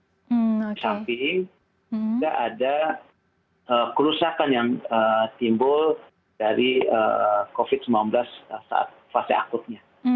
di samping juga ada kerusakan yang timbul dari covid sembilan belas saat fase akutnya